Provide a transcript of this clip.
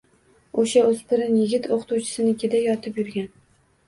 O’sha o’spirin yigit o‘qituvchisinikida yotib yurgan.